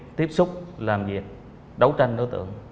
nên là việc tiếp xúc làm việc đấu tranh đối tượng